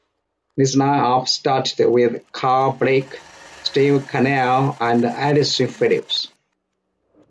This line up started with Karl Blake, Steve Cannell and Allison Philips.